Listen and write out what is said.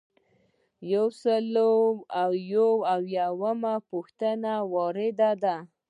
یو سل او یو اویایمه پوښتنه وارده ده.